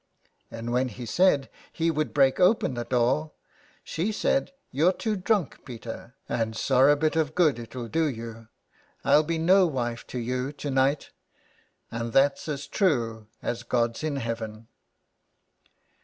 And when he said he would break open the door, she said :—'' You're too drunk, Peter, and sorra bit of good it will do you. I'll be no wife to you to night, and that's as true as God's in heaven."